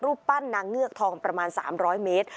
ปั้นนางเงือกทองประมาณ๓๐๐เมตร